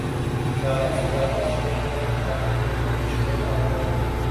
زیادہ سے زیادہ شیئر کریں تاکہ لوگوں میں شعور آجائے